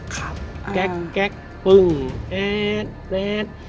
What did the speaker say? แก๊กแก๊กปึ่งแอ๊ดแอ๊ด